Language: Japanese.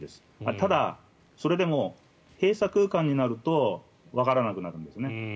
ただ、それでも閉鎖空間になるとわからなくなるんですね。